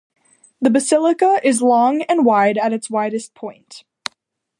The basilica is long and wide at its widest point.